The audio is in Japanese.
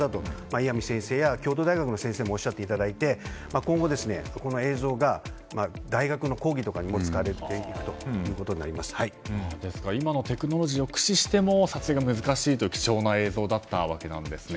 岩見先生や京都大学の先生にもおっしゃっていただいて今後この映像が大学の講義などにもですから、今のテクノロジーを駆使しても撮影が難しい貴重な映像だったわけですね。